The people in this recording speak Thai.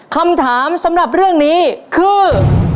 คำถามสำหรับเรื่องนี้คือ